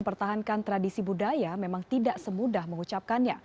mempertahankan tradisi budaya memang tidak semudah mengucapkannya